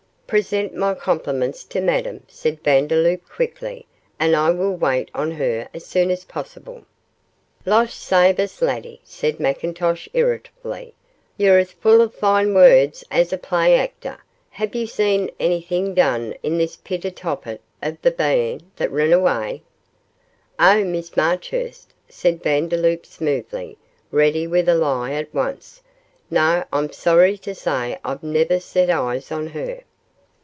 'Present my compliments to Madame,' said Vandeloup, quickly, 'and I will wait on her as soon as possible.' 'Losh save us, laddie,' said McIntosh, irritably, 'you're as fu' o' fine wards as a play actor. Have ye seen onything doon in this pit o' Tophet o' the bairn that rin away?' 'Oh, Miss Marchurst!' said Vandeloup, smoothly, ready with a lie at once. 'No, I'm sorry to say I've never set eyes on her.